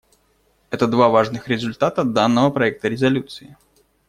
Это два важных результата данного проекта резолюции.